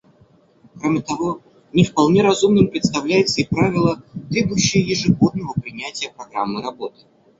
Кроме того, не вполне разумным представляется и правило, требующее ежегодного принятия программы работы.